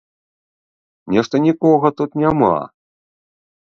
Нешта нікога тут няма!